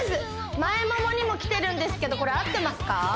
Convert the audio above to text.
前ももにもきてるんですけどこれ合ってますか？